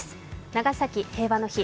長崎平和の日。